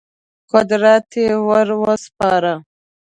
قدرت یې ور وسپاره.